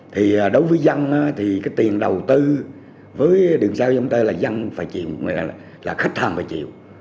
thì đối với dân thì cái tiền đầu tư với đường dây công tơ là dân phải chịu là khách hàng phải chịu